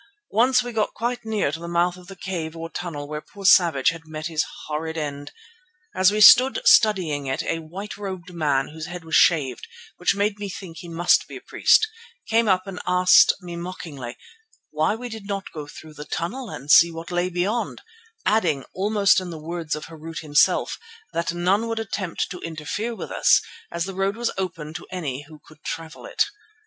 Once we got quite near to the mouth of the cave or tunnel where poor Savage had met his horrid end. As we stood studying it a white robed man whose head was shaved, which made me think he must be a priest, came up and asked me mockingly why we did not go through the tunnel and see what lay beyond, adding, almost in the words of Harût himself, that none would attempt to interfere with us as the road was open to any who could travel it.